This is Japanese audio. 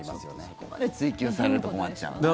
そこまで追及されると困っちゃうな。